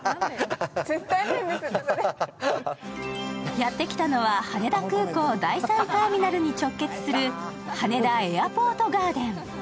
やってきたのは羽田空港第３ターミナルに直結する羽田エアポートガーデン。